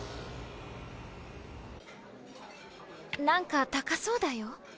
何か高そうだよ。